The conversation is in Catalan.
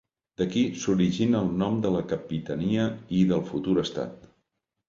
D'aquí s'origina el nom de la capitania i del futur estat.